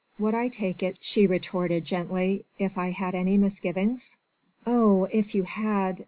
"Would I take it," she retorted gently, "if I had any misgivings?" "Oh! if you had....